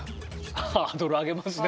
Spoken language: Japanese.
ハードル上げますね